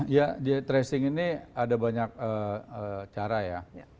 ya di tracing ini ada banyak cara ya